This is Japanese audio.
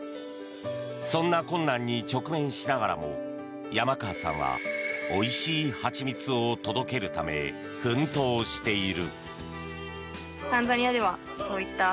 そんな困難に直面しながらも山川さんはおいしい蜂蜜を届けるため奮闘している。